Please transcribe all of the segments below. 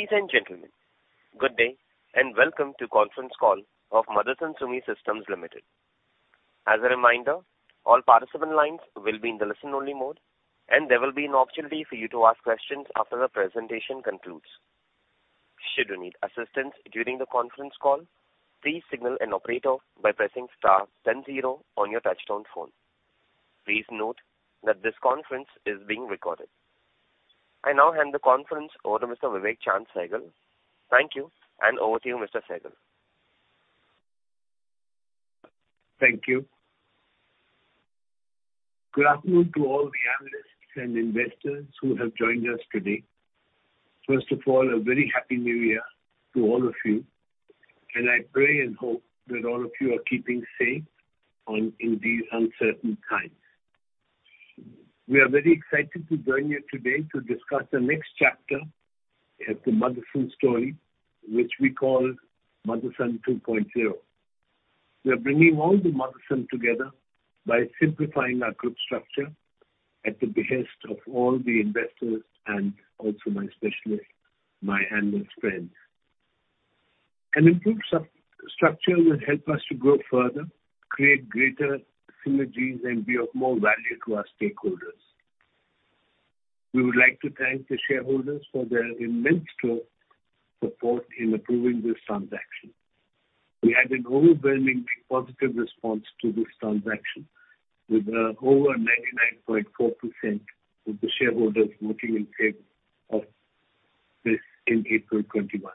Ladies and gentlemen, good day and welcome to conference call of Motherson Sumi Systems Limited. As a reminder, all participant lines will be in the listen-only mode, and there will be an opportunity for you to ask questions after the presentation concludes. Please note that this conference is being recorded. I now hand the conference over to Mr. Vivek Chaand Sehgal. Thank you, and over to you, Mr. Sehgal. Thank you. Good afternoon to all the analysts and investors who have joined us today. First of all, a very happy new year to all of you, and I pray and hope that all of you are keeping safe in these uncertain times. We are very excited to join you today to discuss the next chapter at the Motherson story, which we call Motherson 2.0. We are bringing all the Motherson together by simplifying our group structure at the behest of all the investors and also my specialist, my analyst friends. An improved structure will help us to grow further, create greater synergies, and be of more value to our stakeholders. We would like to thank the shareholders for their immense trust, support in approving this transaction. We had an overwhelming positive response to this transaction with over 99.4% of the shareholders voting in favor of this in April 2021.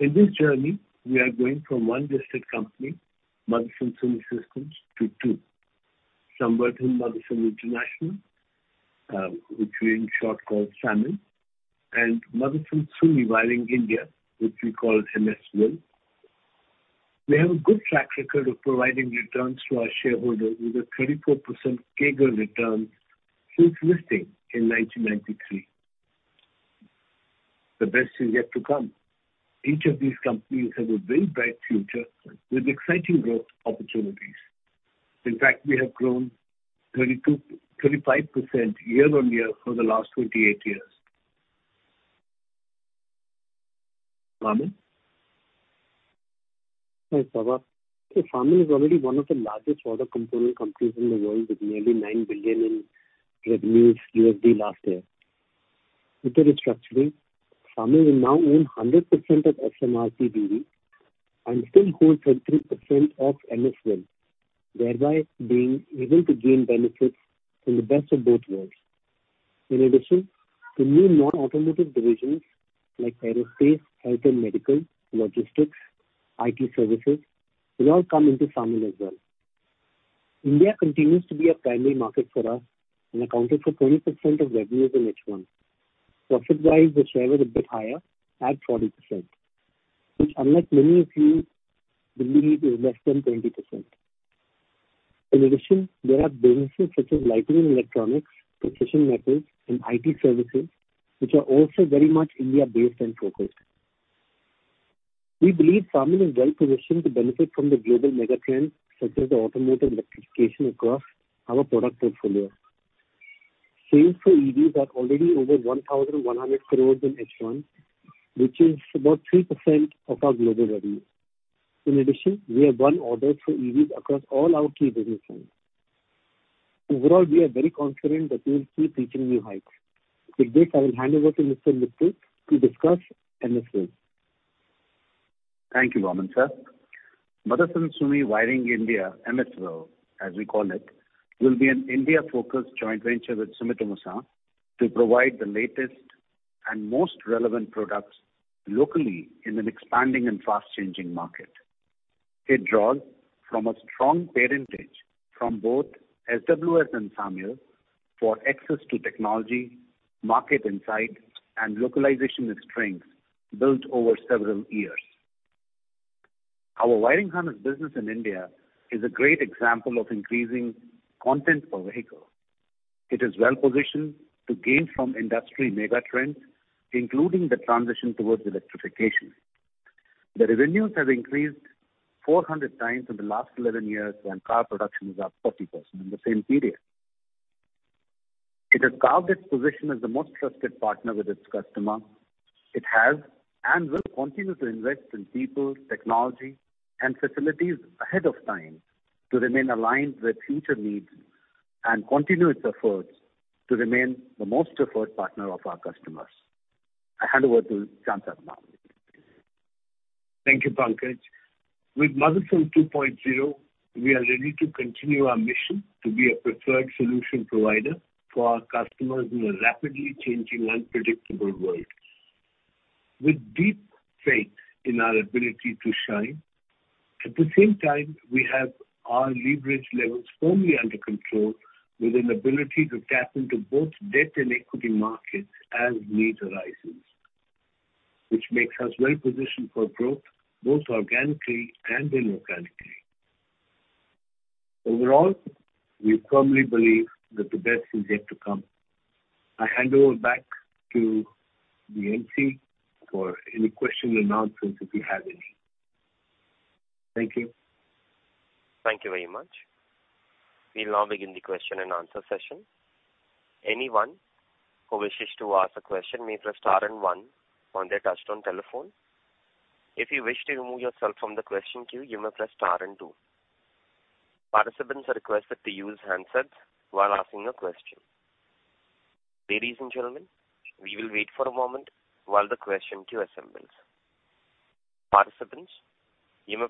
In this journey, we are going from one listed company, Motherson Sumi Systems, to two. Samvardhana Motherson International, which we in short call SAMIL, and Motherson Sumi Wiring India, which we call MSWIL. We have a good track record of providing returns to our shareholders with a 34% CAGR return since listing in 1993. The best is yet to come. Each of these companies have a very bright future with exciting growth opportunities. In fact, we have grown 35% year-over-year for the last 28 years. Vaaman? Thanks, Vivek. SAMIL is already one of the largest auto component companies in the world with nearly $9 billion in revenues last year. With the restructuring, SAMIL will now own 100% of SMRPBV and still hold 23% of MSWIL, thereby being able to gain benefits from the best of both worlds. In addition, the new non-automotive divisions like aerospace, health and medical, logistics, IT services will all come into SAMIL as well. India continues to be a primary market for us and accounted for 20% of revenues in H1. Profit-wise, the share was a bit higher at 40%, which, unlike many of you believe, is less than 20%. In addition, there are businesses such as Lighting and Electronics, Precision Metals, and IT services, which are also very much India-based and focused. We believe SAMIL is well-positioned to benefit from the global mega trends such as the automotive electrification across our product portfolio. Sales for EVs are already over 1,100 crores in H1, which is about 3% of our global revenue. In addition, we have won orders for EVs across all our key business lines. Overall, we are very confident that we will keep reaching new heights. With this, I will hand over to Mr. Mital to discuss MSWIL. Thank you, Vaaman, sir. Motherson Sumi Wiring India, MSWIL, as we call it, will be an India-focused joint venture with Sumitomo-san to provide the latest and most relevant products locally in an expanding and fast-changing market. It draws from a strong parentage from both SWS and SAMIL for access to technology, market insight and localization strengths built over several years. Our wiring harness business in India is a great example of increasing content per vehicle. It is well-positioned to gain from industry mega trends, including the transition towards electrification. The revenues have increased 400 times in the last 11 years, and car production is up 40% in the same period. It has carved its position as the most trusted partner with its customer. It has and will continue to invest in people, technology and facilities ahead of time to remain aligned with future needs and continue its efforts to remain the most preferred partner of our customers. I hand over to Chaand Sir now. Thank you, Pankaj. With Motherson 2.0, we are ready to continue our mission to be a preferred solution provider for our customers in a rapidly changing, unpredictable world. With deep faith in our ability to shine, at the same time, we have our leverage levels firmly under control with an ability to tap into both debt and equity markets as need arises, which makes us well-positioned for growth, both organically and inorganically. Overall, we firmly believe that the best is yet to come. I hand over back to the MC for any questions and answers if you have any. Thank you. Thank you very much. We'll now begin the question and answer session. The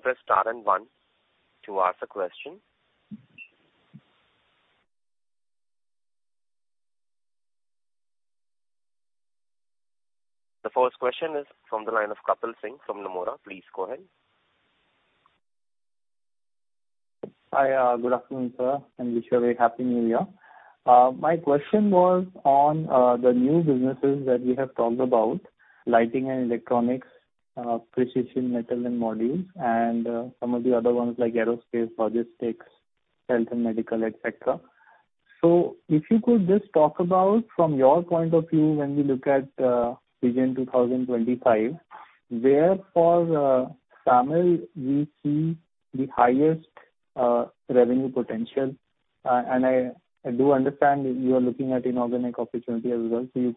1st question is from the line of Kapil Singh from Nomura. Please go ahead. Hi. Good afternoon, sir, and wish you a very happy New Year. My question was on the new businesses that we have talked about, Lighting and Electronics, Precision Metals and Modules, and some of the other ones like aerospace, logistics, health and medical, etc. If you could just talk about from your point of view when we look at Vision 2025, where for SAMIL we see the highest revenue potential. I do understand you are looking at inorganic opportunity as well. If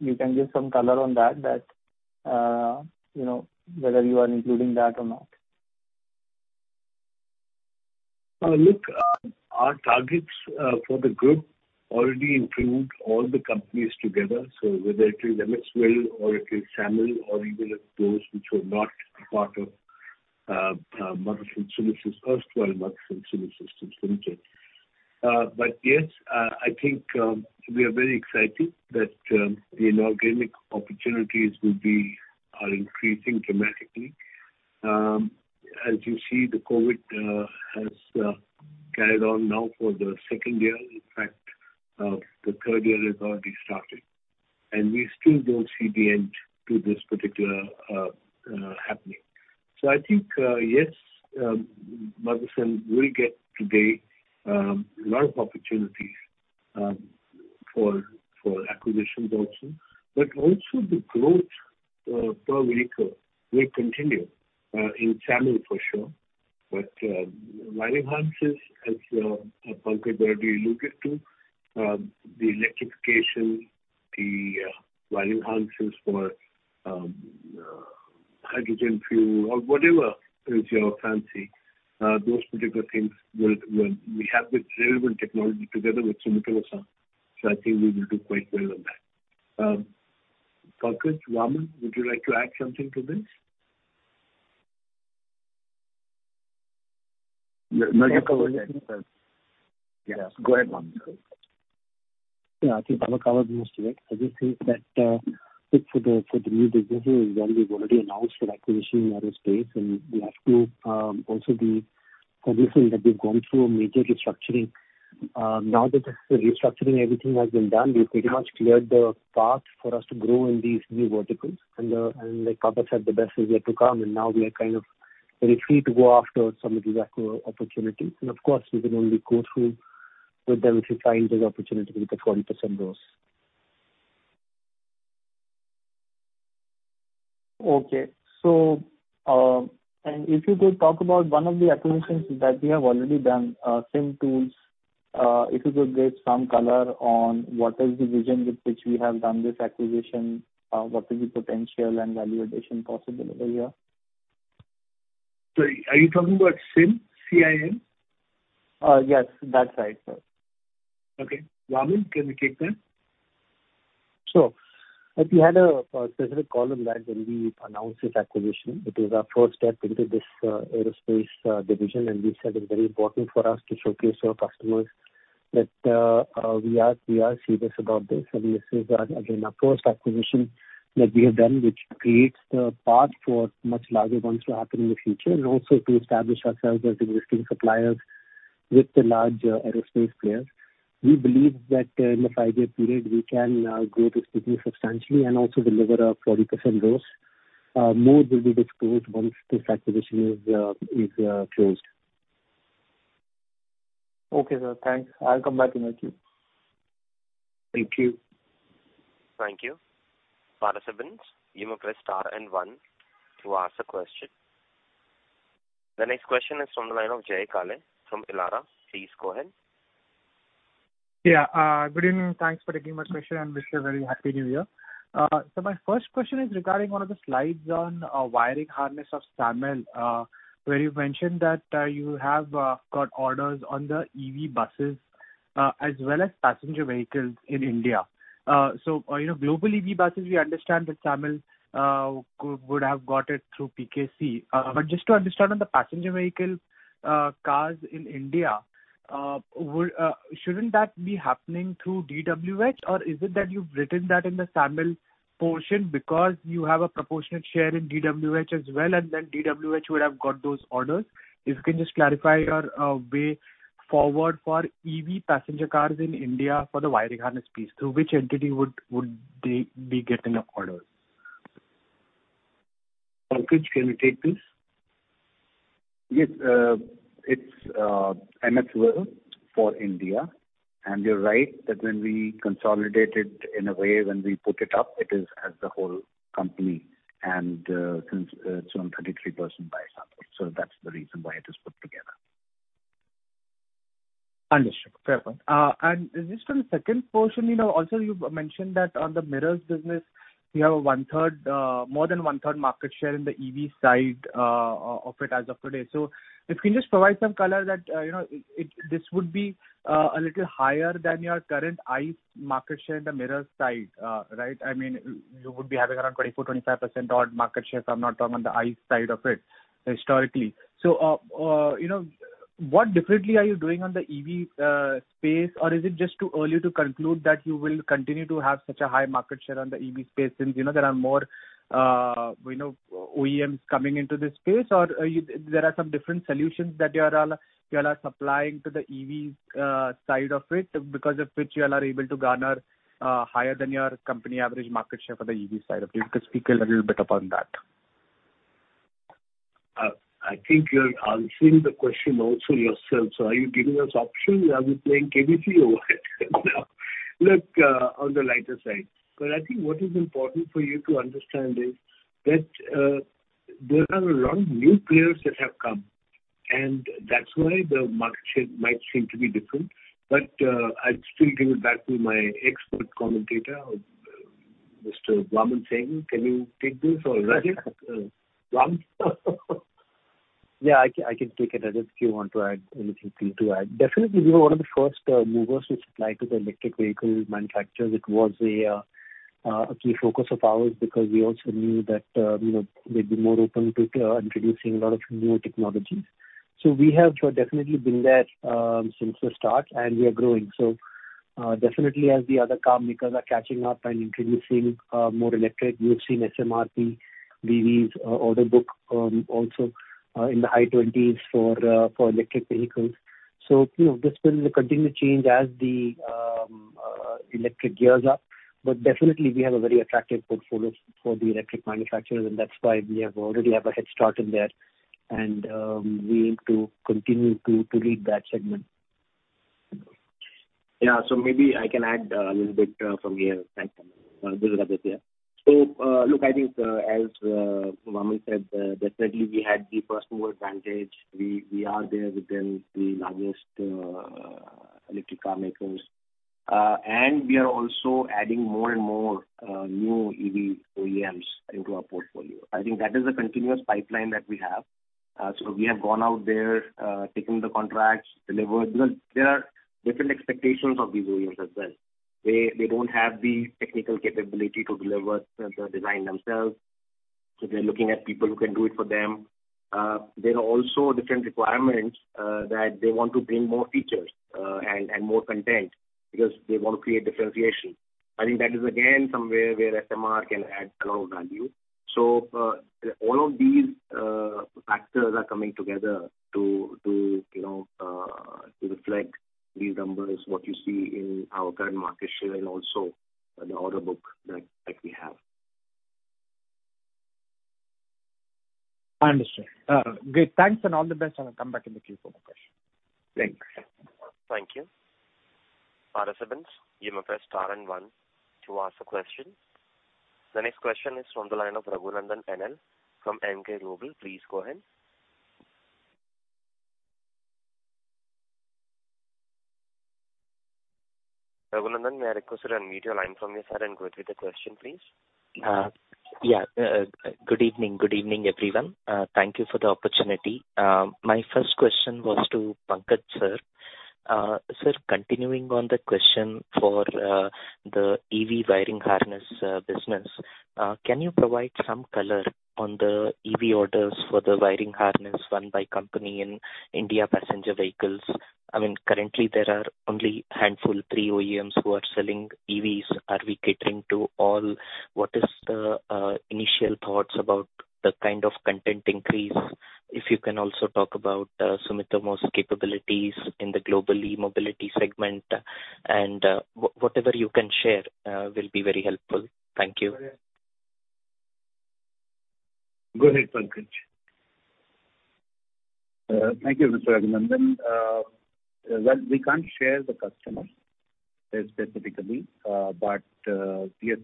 you can give some color on that, you know, whether you are including that or not. Look, our targets for the group already include all the companies together. Whether it is MSWIL or it is SAMIL or even those which were not part of Madhusudhan Solutions, erstwhile Madhusudhan Solutions Limited. But yes, I think we are very excited that the inorganic opportunities are increasing dramatically. As you see, the COVID has carried on now for the second year. In fact, the third year has already started, and we still don't see the end to this particular happening. I think yes, Madhusudhan will get today a lot of opportunities for acquisitions also. But also the growth per vehicle will continue in SAMIL for sure. Wiring harnesses as Pankaj already alluded to, the electrification, the wiring harnesses for hydrogen fuel or whatever is your fancy, those particular things will. We have the relevant technology together with Sumitomo-san, so I think we will do quite well on that. Pankaj, Vaaman, would you like to add something to this? Yes. Yes, go ahead, Vaaman. Yeah, I think Vivek covered most of it. I just think that, look for the new businesses as well, we've already announced an acquisition in aerospace and we have to also be cognizant that we've gone through a major restructuring. Now that the restructuring, everything has been done, we've pretty much cleared the path for us to grow in these new verticals. Like Kapil said, the best is yet to come. Now we are kind of very free to go after some of these acquisition opportunities. Of course, we can only go through with them if we find those opportunities with the 40% growth. Okay. If you could talk about one of the acquisitions that we have already done, CIM Tools, if you could give some color on what is the vision with which we have done this acquisition, what is the potential and value addition possible over here? Sorry. Are you talking about CIM? C-I-M? Yes, that's right, sir. Okay. Vaaman, can you take that? Sure. Look, we had a specific call on that when we announced this acquisition. It is our first step into this aerospace division. We said it's very important for us to showcase our customers that we are serious about this. This is again our 1st acquisition that we have done, which creates the path for much larger ones to happen in the future and also to establish ourselves as existing suppliers with the large aerospace players. We believe that in a five-year period we can grow this business substantially and also deliver a 40% growth. More will be disclosed once this acquisition is closed. Okay, sir. Thanks. I'll come back in my queue. Thank you. Thank you. The next question is from the line of Jay Kale from Elara. Please go ahead. Yeah. Good evening. Thanks for taking my question, and wish you a very happy new year. So my 1st question is regarding one of the slides on wiring harness of SAMIL, where you mentioned that you have got orders on the EV buses as well as passenger vehicles in India. So, you know, global EV buses, we understand that SAMIL would have got it through PKC. But just to understand on the passenger vehicle cars in India, shouldn't that be happening through DWH or is it that you've written that in the SAMIL portion because you have a proportionate share in DWH as well and then DWH would have got those orders? If you can just clarify your way forward for EV passenger cars in India for the wiring harness piece. Through which entity would they be getting the orders? Pankaj, can you take this? Yes, it's MFL for India. You're right that when we consolidate it in a way, when we put it up, it is as the whole company, and since it's around 33% by SAMIL. That's the reason why it is put together. Understood. Fair point. And just on the 2nd portion, you know, also you mentioned that on the mirrors business, you have a 1/3, more than 1/3 market share in the EV side of it as of today. So if you can just provide some color that, you know, it, this would be a little higher than your current ICE market share in the mirrors side, right? I mean, you would be having around 24-25% odd market share, if I'm not wrong, on the ICE side of it historically. So, you know, what differently are you doing on the EV space? Or is it just too early to conclude that you will continue to have such a high market share on the EV space since, you know, there are more, you know, OEMs coming into this space? There are some different solutions that you all are supplying to the EV side of it, because of which you all are able to garner higher than your company average market share for the EV side of it. If you could speak a little bit upon that. I think you're asking the question also yourself, so are you giving us options? Are we playing KBC over here now? Look, on the lighter side, but I think what is important for you to understand is that there are a lot of new players that have come, and that's why the market share might seem to be different. I'd still give it back to my expert commentator, Mr. Vaaman Singh. Can you take this or Rajat? Vaaman? Yeah, I can take it. Rajat, if you want to add anything, feel free to add. Definitely, we were one of the first movers to supply to the electric vehicle manufacturers. It was a key focus of ours because we also knew that, you know, they'd be more open to introducing a lot of new technologies. So we have definitely been there since the start, and we are growing. Definitely as the other car makers are catching up and introducing more electric, we have seen SMRP BV's order book also in the high 20s for electric vehicles. You know, this will continue to change as the electric gears up. Definitely we have a very attractive portfolio for the electric manufacturers, and that's why we already have a head start in there, and we aim to continue to lead that segment. Yeah. Maybe I can add a little bit from here. Thanks, Vaaman. This is Rajat here. Look, I think, as Vaaman said, definitely we had the first mover advantage. We are there with the largest electric car makers. We are also adding more and more new EV OEMs into our portfolio. I think that is a continuous pipeline that we have. We have gone out there, taken the contracts, delivered. Because there are different expectations of these OEMs as well. They don't have the technical capability to deliver the design themselves, so they're looking at people who can do it for them. There are also different requirements that they want to bring more features and more content because they want to create differentiation. I think that is again, somewhere where SMR can add a lot of value. All of these factors are coming together to, you know, to reflect these numbers, what you see in our current market share and also the order book that we have. I understand. Great. Thanks and all the best, and I'll come back in the queue for more questions. Thanks. Thank you. Participants, you may press star and one to ask a question. The next question is from the line of Raghunandhan NL from Emkay Global. Please go ahead. Raghunandhan NL, may I request you to unmute your line from your side and go ahead with the question, please. Good evening. Good evening, everyone. Thank you for the opportunity. My first question was to Pankaj, sir. Sir, continuing on the question for the EV wiring harness business, can you provide some color on the EV orders for the wiring harness won by the company in Indian passenger vehicles? I mean, currently there are only a handful, three OEMs who are selling EVs. Are we catering to all? What is the initial thoughts about the kind of content increase? If you can also talk about Sumitomo's capabilities in the global e-mobility segment and whatever you can share will be very helpful. Thank you. Go ahead, Pankaj. Thank you, Mr. Raghunandhan NL. Well, we can't share the customers specifically. Yes,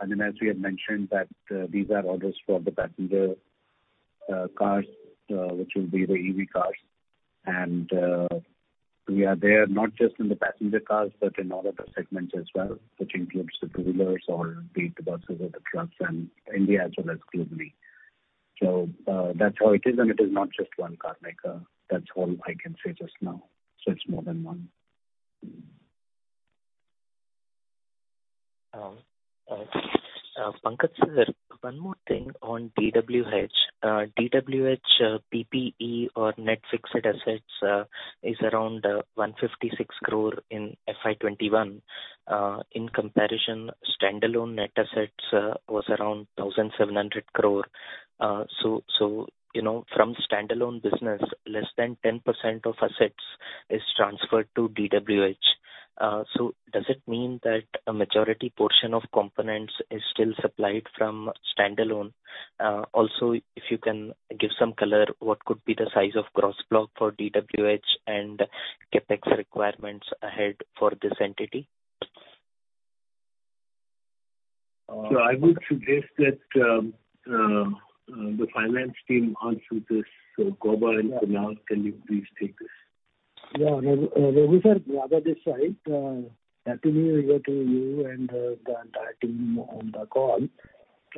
I mean, as we have mentioned that, these are orders for the passenger cars, which will be the EV cars. We are there not just in the passenger cars, but in all other segments as well, which includes the two-wheelers or the buses or the trucks in India as well as globally. That's how it is, and it is not just one car maker. That's all I can say just now. It's more than one. Pankaj sir, one more thing on DWH. DWH PPE or net fixed assets is around 156 crore in FY 2021. In comparison, standalone net assets was around 1,700 crore. You know, from standalone business, less than 10% of assets is transferred to DWH. Does it mean that a majority portion of components is still supplied from standalone? Also, if you can give some color, what could be the size of gross block for DWH and CapEx requirements ahead for this entity? I would suggest that the finance team answer this. G.N. Gauba and Kunal, can you please take this? Yeah. We said rather this side, happy New Year to you and, the entire team on the call.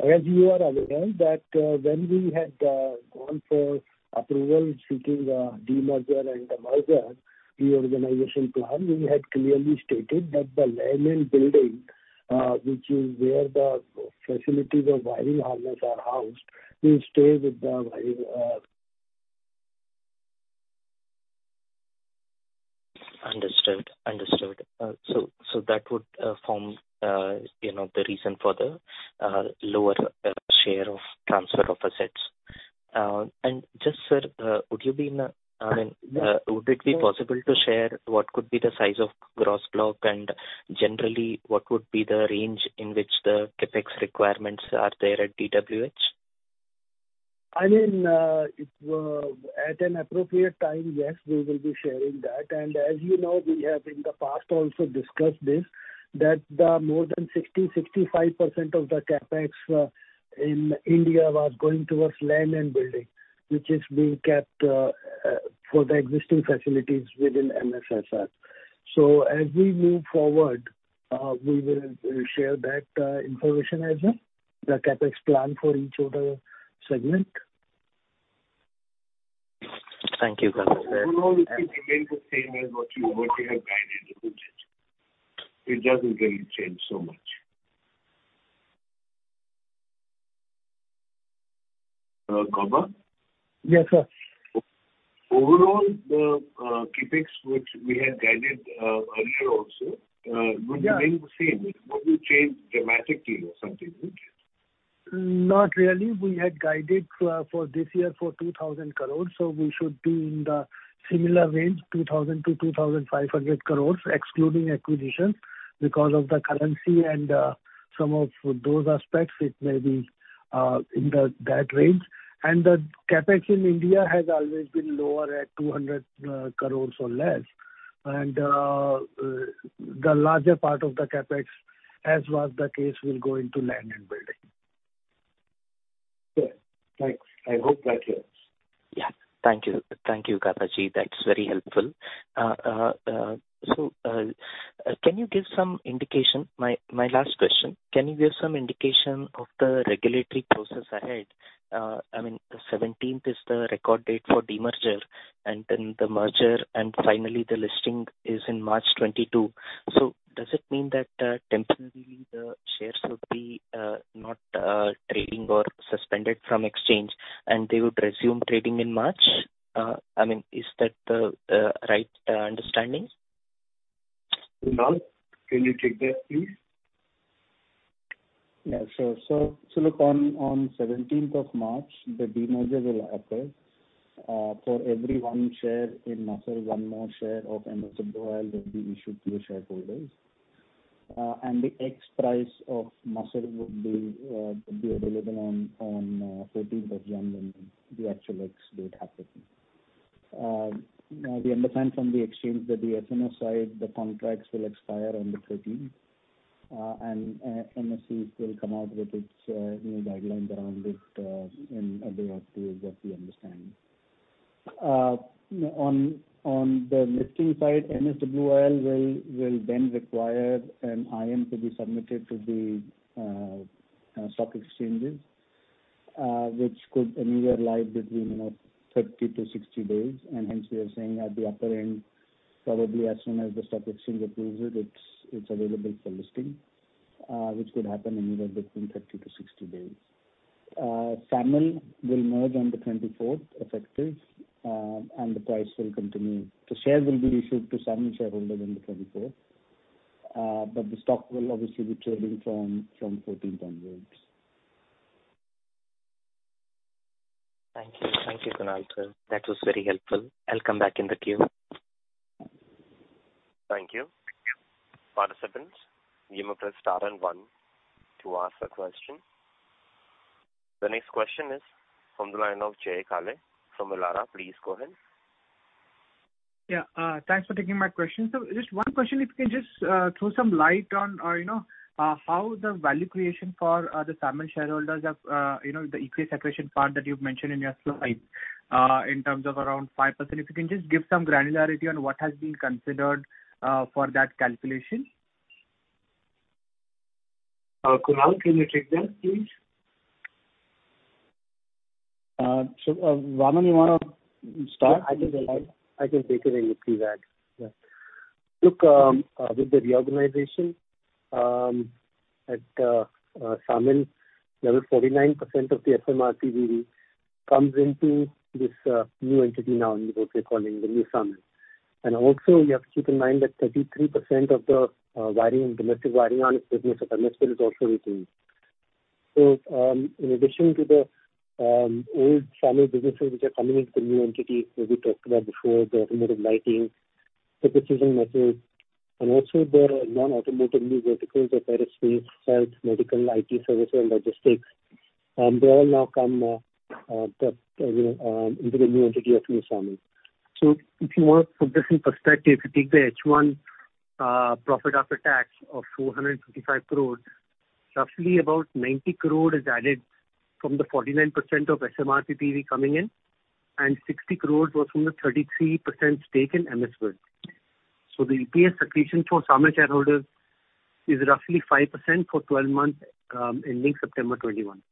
As you are aware that, when we had gone for approval seeking the demerger and the merger reorganization plan, we had clearly stated that the land and building, which is where the facilities of wiring harness are housed, will stay with the wiring, Understood. That would form, you know, the reason for the lower share of transfer of assets. Just, sir, would it be possible to share what could be the size of gross block and generally what would be the range in which the CapEx requirements are there at DWH? I mean, at an appropriate time, yes, we will be sharing that. As you know, we have in the past also discussed this, that more than 60%-65% of the CapEx in India was going towards land and building, which is being kept for the existing facilities within MSSL. As we move forward, we will share that information as the CapEx plan for each of the segment. Thank you, Gauba sir. Overall it will remain the same as what we have guided. It doesn't really change so much. Gauba? Yes, sir. Overall, the CapEx which we had guided earlier also. Yeah. Will remain the same. It won't be changed dramatically or something, will it? Not really. We had guided for this year for 2,000 crore. So we should be in the similar range, 2,000 crore-2,500 crore, excluding acquisition. Because of the currency and some of those aspects, it may be in that range. The CapEx in India has always been lower at 200 crore or less. The larger part of the CapEx, as was the case, will go into land and building. Good. Thanks. I hope that helps. Yeah. Thank you, Gauba ji. That's very helpful. My last question, can you give some indication of the regulatory process ahead? I mean, the 17th is the record date for demerger and then the merger, and finally the listing is in March 2022. Does it mean that temporarily the shares will not be trading or suspended from exchange and they would resume trading in March? I mean, is that the right understanding? Kunal, can you take that please? Yeah, sure. Look, on the seventeenth of March, the demerger will occur. For every one share in MSSL, one more share of MSWIL will be issued to your shareholders. And the ex price of MSSL would be available on the fourteenth of January when the actual ex-date happens. We understand from the exchange that the F&O side, the contracts will expire on the thirteenth. And NSE will come out with its, you know, guidelines around it in a day or two is what we understand. On the listing side, MSWIL will then require an IM to be submitted to the stock exchanges, which could anywhere lie between, you know, 30-60 days. Hence we are saying at the upper end, probably as soon as the stock exchange approves it's available for listing, which could happen anywhere between 30-60 days. SAMIL will merge on the 24th, effective, and the price will continue. The shares will be issued to SAMIL shareholders on the 24th. But the stock will obviously be trading from 14th onwards. Thank you. Thank you, Kunal. That was very helpful. I'll come back in the queue. Thank you. Participants, you may press star and one to ask a question. The next question is from the line of Jay Kale from Elara. Please go ahead. Thanks for taking my question. Just one question, if you can just throw some light on, you know, how the value creation for the SAMIL shareholders of, you know, the equity separation part that you've mentioned in your slide, in terms of around 5%. If you can just give some granularity on what has been considered for that calculation. Kunal, can you take that please? Vaaman, you wanna start? Sure. I can take it and you please add. Yeah. Look, with the reorganization at SAMIL, there was 49% of the SMRP BV comes into this new entity now in which we're calling the new SAMIL. Also you have to keep in mind that 33% of the wiring, domestic wiring harness business of MSWIL is also with them. In addition to the old SAMIL businesses which are coming into the new entity, where we talked about before the automotive lighting, precision metals, and also the non-automotive new verticals of aerospace, health, medical, IT services and logistics, they all now come, you know, into the new entity of New SAMIL. If you want to put this in perspective, if you take the H1 profit after tax of 455 crore, roughly 90 crore is added from the 49% of SMRP BV coming in, and 60 crore was from the 33% stake in MSWIL. The EPS accretion for SAMIL shareholders is roughly 5% for 12 months ending September 2021.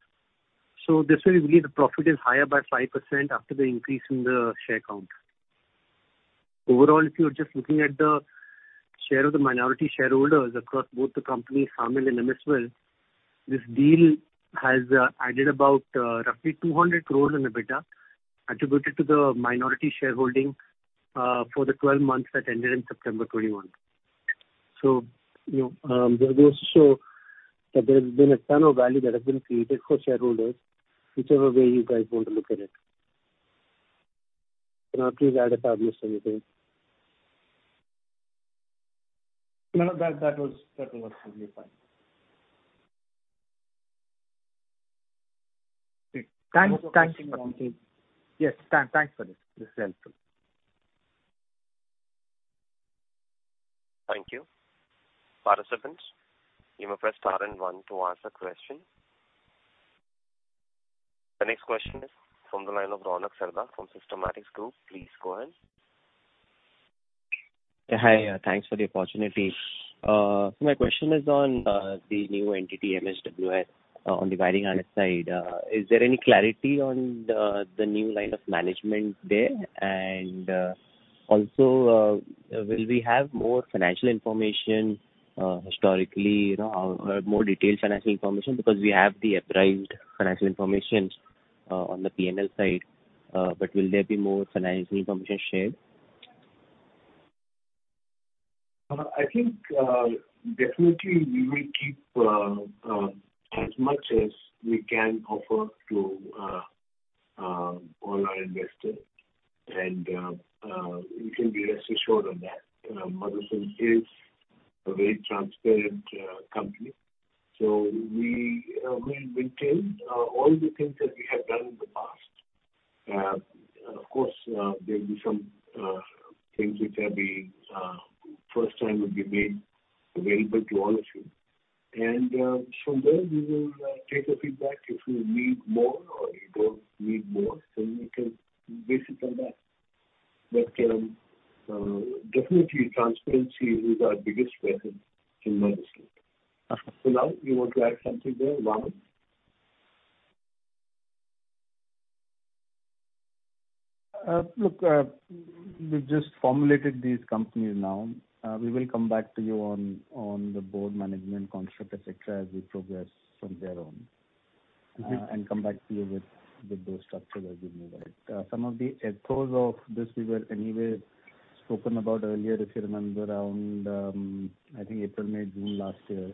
This way we believe the profit is higher by 5% after the increase in the share count. Overall, if you're just looking at the share of the minority shareholders across both the companies, SAMIL and MSWIL, this deal has added about roughly 200 crore in EBITDA attributed to the minority shareholding for the twelve months that ended in September 2021. You know, this goes to show that there's been a ton of value that has been created for shareholders, whichever way you guys want to look at it. Kunal, please add if I've missed anything. No, that was completely fine. Thanks. Yes, thanks for this. This is helpful. Thank you. Participants, you may press star and one to ask a question. The next question is from the line of Ronak Sarda from Systematix Group. Please go ahead. Hi. Thanks for the opportunity. My question is on the new entity, MSWIL, on the wiring harness side. Is there any clarity on the new lineup of management there? Also, will we have more financial information historically, you know, more detailed financial information? Because we have the prior financial information on the PNL side. But will there be more financial information shared? I think definitely we will keep as much as we can offer to all our investors and you can rest assured on that. You know, Madhusudhan is a very transparent company, so we'll maintain all the things that we have done in the past. Of course, there'll be some things which have been first time will be made available to all of you. From there we will take a feedback if you need more or you don't need more, then we can base it on that. Definitely transparency is our biggest weapon in Madhusudhan. Kunal, you want to add something there? Look, we've just formulated these companies now. We will come back to you on the board management construct, et cetera, as we progress from there on. Okay. Come back to you with those structures as we move ahead. Some of the echoes of this we were anyway spoken about earlier, if you remember, around, I think April, May, June last year.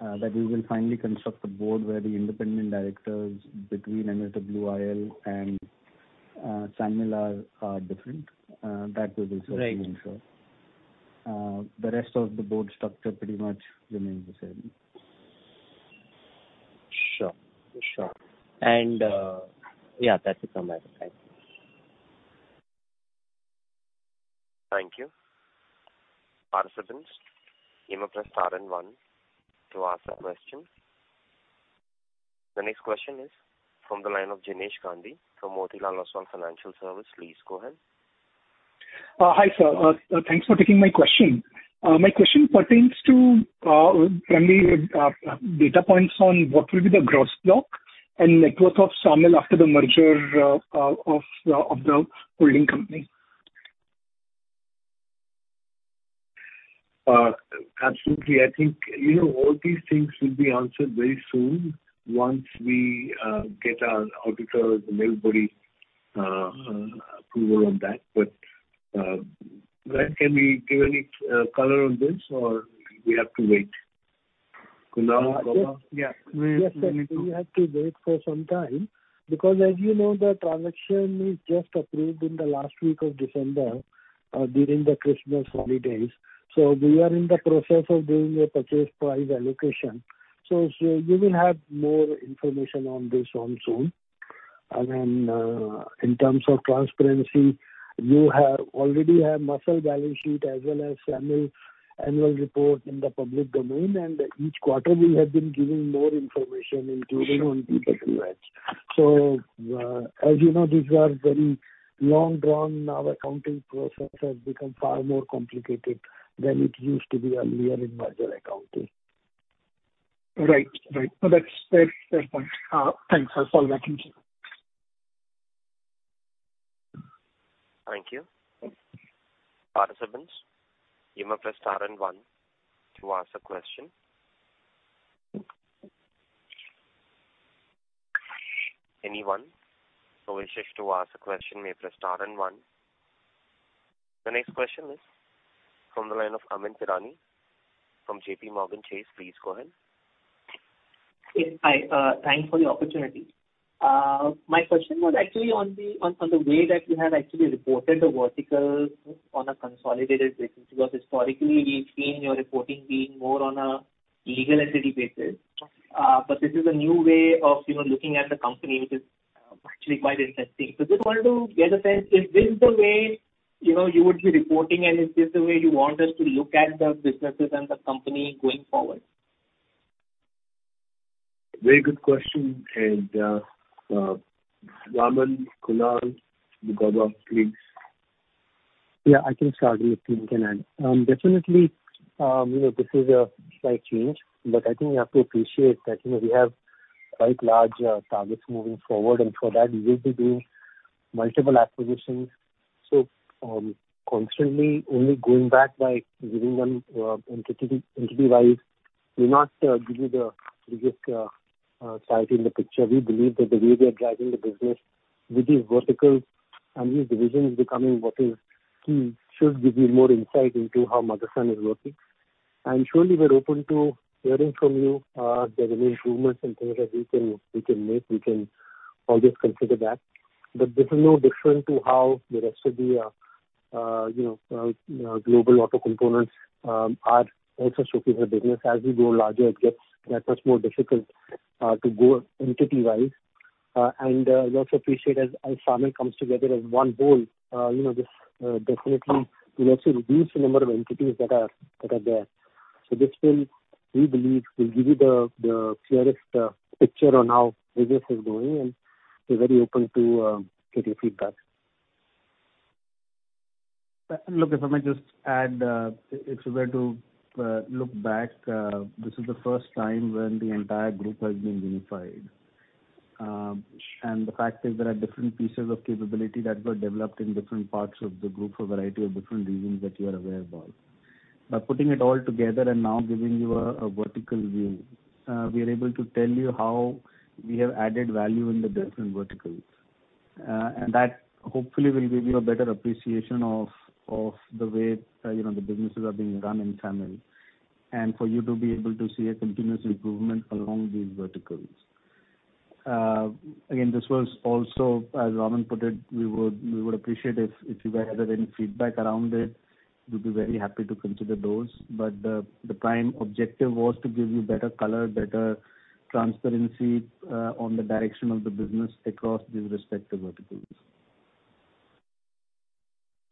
That we will finally construct a board where the independent directors between MSWIL and SAMIL are different. That we will certainly ensure. Right. The rest of the board structure pretty much remains the same. Sure. Sure. Yeah, that's it from my side. Thank you. Thank you. Participants, you may press star and one to ask a question. The next question is from the line of Jinesh Gandhi from Motilal Oswal Financial Services. Please go ahead. Hi, sir. Thanks for taking my question. My question pertains to data points on what will be the gross block and net worth of SAMIL after the merger of the holding company? Absolutely. I think, you know, all these things will be answered very soon once we get our auditors and everybody approval on that. Laksh, can we give any color on this or we have to wait? Kunal? Vivek? Yes. Yeah. Yes, sir. We have to wait for some time because as you know the transaction is just approved in the last week of December during the Christmas holidays. We are in the process of doing a purchase price allocation. You will have more information on this one soon. In terms of transparency, you already have MSSL balance sheet as well as SAMIL annual report in the public domain. Each quarter we have been giving more information including on DWH. As you know, these are very long drawn. Our accounting process has become far more complicated than it used to be earlier in merger accounting. Right. That's fair point. Thanks. I'll follow back. Thank you. Thank you. Participants, you may press star one to ask a question. Anyone who wishes to ask a question may press star one. The next question is from the line of Amyn Pirani from J.P. Morgan. Please go ahead. Yes. Hi. Thanks for the opportunity. My question was actually on the way that you have actually reported the verticals on a consolidated basis, because historically we've seen your reporting being more on a legal entity basis. This is a new way of, you know, looking at the company, which is actually quite interesting. Just wanted to get a sense, is this the way, you know, you would be reporting, and is this the way you want us to look at the businesses and the company going forward? Very good question. Vaaman, Kunal, Mugdha, please. Yeah. I can start and you three can add. Definitely, you know, this is a slight change, but I think you have to appreciate that, you know, we have quite large targets moving forward. For that we will be doing multiple acquisitions. Constantly only going back by viewing them entity-wise will not give you the big picture. We believe that the way we are driving the business with these verticals and these divisions becoming what is key should give you more insight into how Motherson is working. Surely we're open to hearing from you if there's any improvements and things that we can make, we can always consider that. This is no different to how the rest of the, you know, global auto components are also structuring their business. As we grow larger, it gets that much more difficult to go entity-wise. We also appreciate as family comes together as one whole, you know, this definitely will also reduce the number of entities that are there. This will, we believe, give you the clearest picture on how business is going, and we're very open to get your feedback. Look, if I may just add, if we were to look back, this is the first time when the entire group has been unified. The fact is there are different pieces of capability that were developed in different parts of the group for a variety of different reasons that you are aware about. By putting it all together and now giving you a vertical view, we are able to tell you how we have added value in the different verticals. That hopefully will give you a better appreciation of the way, you know, the businesses are being run in family, and for you to be able to see a continuous improvement along these verticals. Again, this was also, as Vaaman put it, we would appreciate if you guys have any feedback around it, we'd be very happy to consider those. The prime objective was to give you better color, better transparency on the direction of the business across these respective verticals.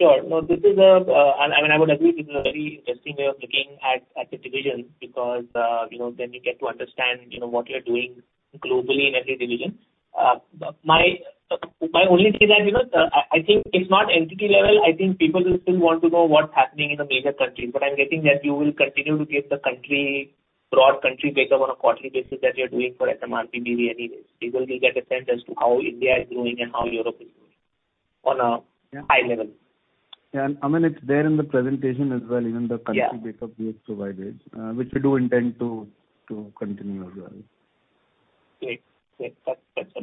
Sure. No, this is a I mean, I would agree this is a very interesting way of looking at the divisions because you know, then you get to understand you know, what you're doing globally in every division. My only thing is you know, I think if not entity level, I think people will still want to know what's happening in the major countries. I'm getting that you will continue to give the country, broad country breakup on a quarterly basis that you're doing for SMRP anyway. People will get a sense as to how India is doing and how Europe is doing on a- Yeah. High level. Yeah. I mean, it's there in the presentation as well. Yeah. Country breakup we have provided, which we do intend to continue as well. Great. Yeah. That's helpful.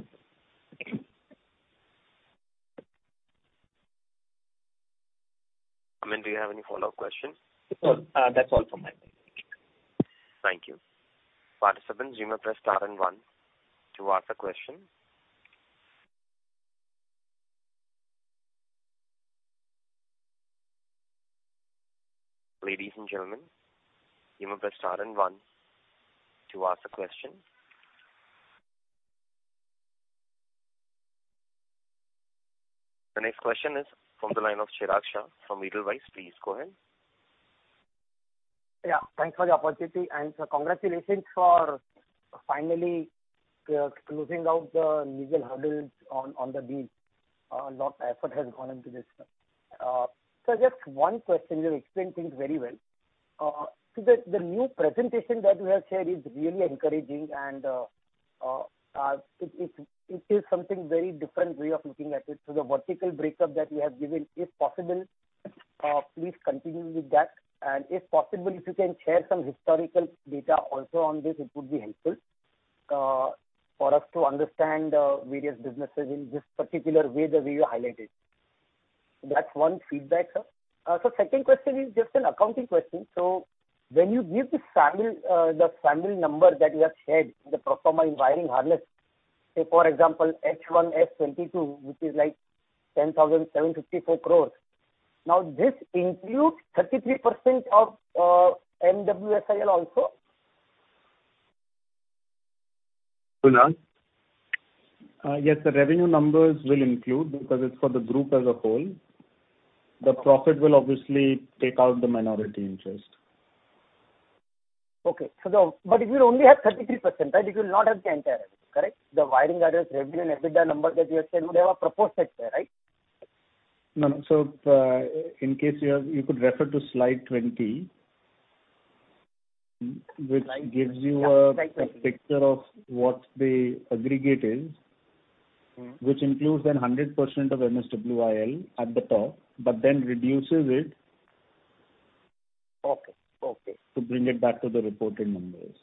Amyn, do you have any follow-up questions? No. That's all from my end. Thank you. Thank you. The next question is from the line of Chirag Shah from Edelweiss. Please go ahead. Yeah. Thanks for the opportunity. Congratulations for finally closing out the legal hurdles on the deal. A lot of effort has gone into this. Just one question. You explained things very well. The new presentation that you have shared is really encouraging, and it is something very different way of looking at it. The vertical breakup that you have given, if possible, please continue with that. If possible, if you can share some historical data also on this, it would be helpful for us to understand various businesses in this particular way that we are highlighted. That's one feedback, sir. Second question is just an accounting question. When you give the family number that you have shared in the pro forma in wiring harness, say for example H1 H22, which is like 10,754 crores. Now this includes 33% of MSWIL also? Kunal? Yes. The revenue numbers will include, because it's for the group as a whole. The profit will obviously take out the minority interest. It will only have 33%, right? It will not have the entire, correct? The wiring harness revenue and EBITDA number that you have said would have a pro rata share, right? No, no. In case you have, you could refer to slide 20. Slide 20. Which gives you a picture of what the aggregate is. Mm-hmm. Which includes 100% of MSWIL at the top, but then reduces it. Okay. Okay. To bring it back to the reported numbers.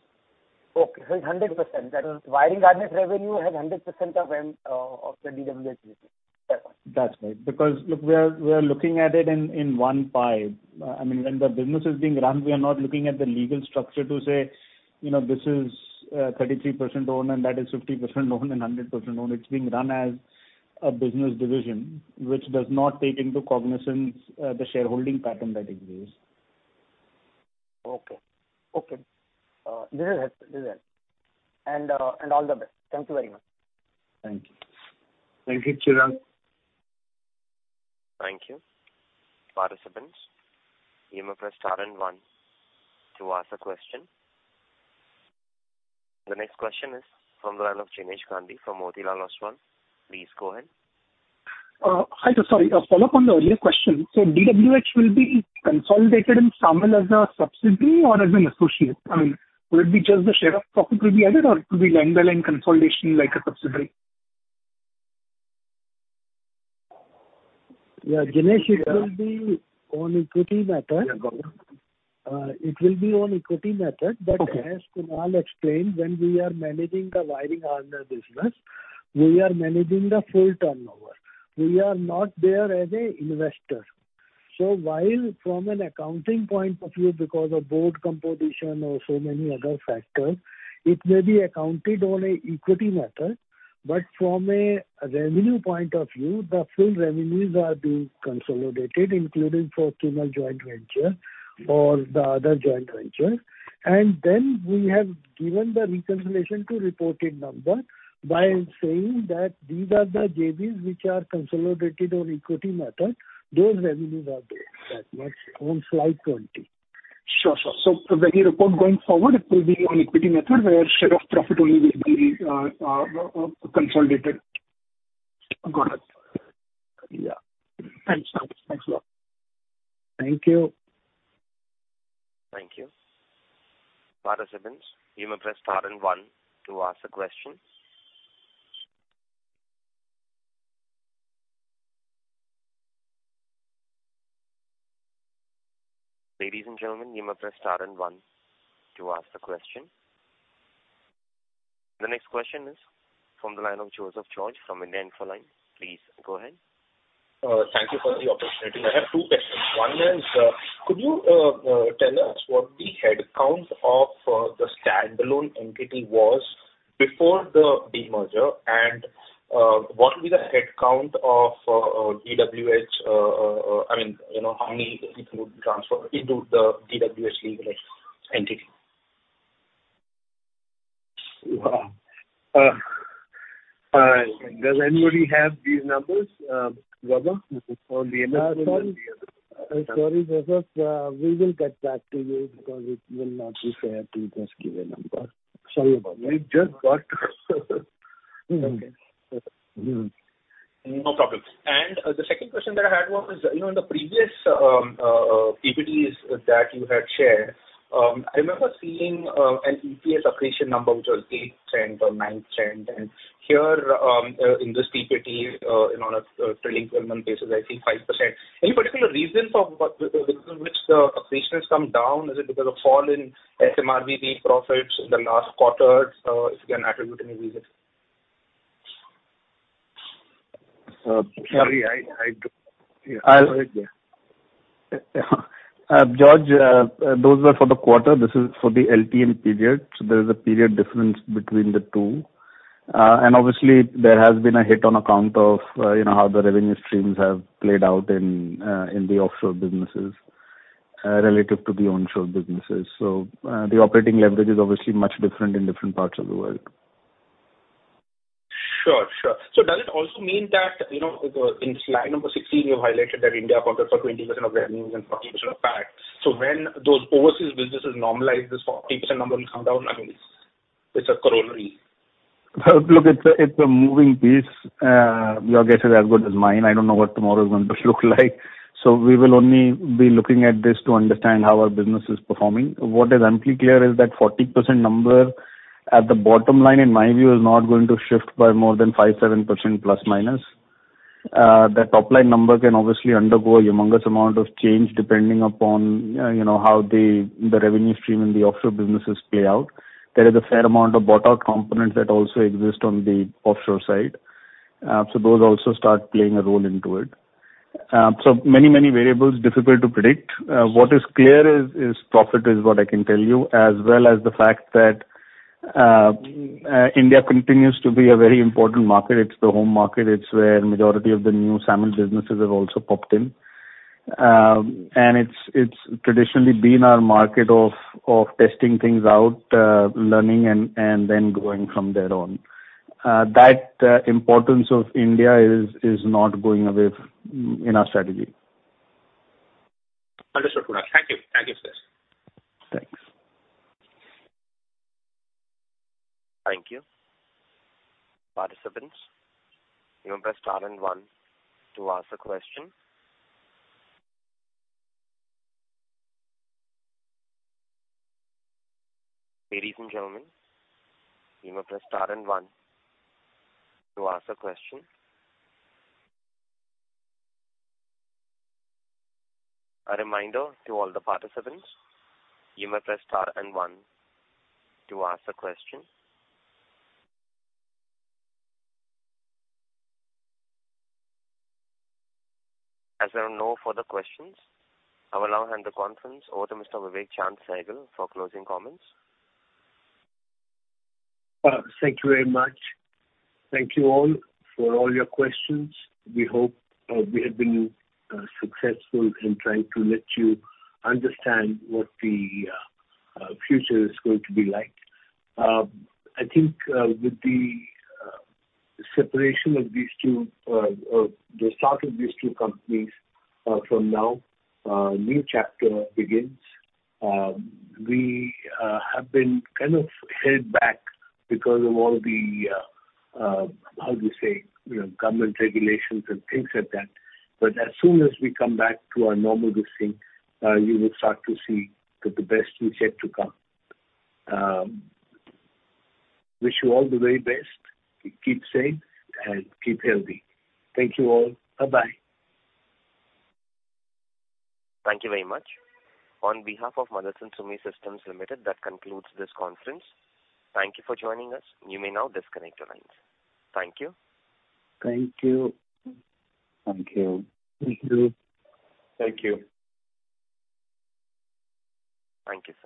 Okay. It's 100%. That is, wiring harness revenue has 100% of M, of the DWH business. Is that right? That's right. Because, look, we are looking at it in one pie. I mean, when the business is being run, we are not looking at the legal structure to say, you know, this is 33% owned and that is 50% owned and 100% owned. It's being run as a business division which does not take into cognizance the shareholding pattern that exists. Okay. This is helpful. This helps. All the best. Thank you very much. Thank you. Thank you, Chirag. Thank you. Participants, you may press star and one to ask a question. The next question is from the line of Jinesh Gandhi from Motilal Oswal. Please go ahead. Sorry, a follow-up on the earlier question. DWH will be consolidated in SAMIL as a subsidiary or as an associate? I mean, will it be just the share of profit will be added, or it could be line by line consolidation like a subsidiary? Yeah, Jinesh, it will be on equity method. Yeah, got it. It will be on equity method. Okay. As Kunal explained, when we are managing the wiring harness business, we are managing the full turnover. We are not there as an investor. While from an accounting point of view because of board composition or so many other factors, it may be accounted on an equity method, but from a revenue point of view, the full revenues are being consolidated, including for Kunal joint venture or the other joint venture. We have given the reconciliation to reported number by saying that these are the JVs which are consolidated on equity method. Those revenues are there, that much, on slide 20. Sure. For the year report going forward, it will be on equity method where share of profit only will be consolidated. Got it. Yeah. Thanks. Thanks a lot. Thank you. The next question is from the line of Joseph George from India Infoline. Please go ahead. Thank you for the opportunity. I have two questions. One is, could you tell us what the headcounts of the standalone entity was before the demerger, and what will be the headcount of DWH? I mean, you know, how many people would transfer into the DWH legal entity? Wow. Does anybody have these numbers, Vivek, for the- Sorry. Sorry, Joseph. We will get back to you because it will not be fair to just give a number. Sorry about that. We just got. Okay. No problem. The second question that I had was, you know, in the previous PPTs that you had shared, I remember seeing an EPS accretion number, which was $0.08 or $0.09, and here, in this PPT, on a trailing twelve months basis, I see 5%. Any particular reason for which the accretion has come down? Is it because of fall in SMR BV profits in the last quarter? If you can attribute any reasons. Sorry, I do. George, those were for the quarter. This is for the LTM period, so there is a period difference between the two. Obviously there has been a hit on account of, you know, how the revenue streams have played out in the offshore businesses, relative to the onshore businesses. The operating leverage is obviously much different in different parts of the world. Sure, sure. Does it also mean that, you know, in slide number 16, you highlighted that India accounted for 20% of revenues and 40% of PAT. When those overseas businesses normalize, this 40% number will come down. I mean, it's a corollary. Well, look, it's a moving piece. Your guess is as good as mine. I don't know what tomorrow is going to look like. We will only be looking at this to understand how our business is performing. What is amply clear is that 40% number at the bottom line, in my view, is not going to shift by more than 5-7%±. The top line number can obviously undergo a humongous amount of change depending upon, you know, how the revenue stream in the offshore businesses play out. There is a fair amount of bought out components that also exist on the offshore side. Those also start playing a role into it. Many variables, difficult to predict. What is clear is profit is what I can tell you, as well as the fact that India continues to be a very important market. It's the home market. It's where majority of the new SAMIL businesses have also popped in. It's traditionally been our market of testing things out, learning and then going from there on. That importance of India is not going away in our strategy. Understood, Kunal. Thank you. Thank you, sir. Thanks. Thank you. As there are no further questions, I will now hand the conference over to Mr. Vivek Chaand Sehgal for closing comments. Thank you very much. Thank you all for all your questions. We hope we have been successful in trying to let you understand what the future is going to be like. I think with the separation of these two, the start of these two companies from now, a new chapter begins. We have been kind of held back because of all the how do you say, you know, government regulations and things like that. As soon as we come back to our normal good sync, you will start to see that the best is yet to come. Wish you all the very best. Keep safe and keep healthy. Thank you all. Bye-bye. Thank you very much. On behalf of Motherson Sumi Systems Limited, that concludes this conference. Thank you for joining us. You may now disconnect your lines. Thank you. Thank you. Thank you. Thank you. Thank you. Thank you, sir.